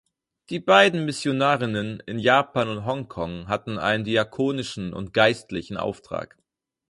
Die beiden Missionarinnen in Japan und Hong Kong hatten einen diakonischen und geistlichen Auftrag.